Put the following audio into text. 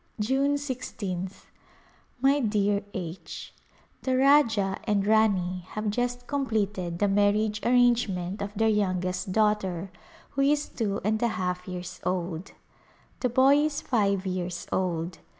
"June 1 6th, My dear H The Rajah and Rani have just completed the [235 ] A Glimpse of India marriage arrangement of their youngest daughter who is two and a half years old. The boy is five years old.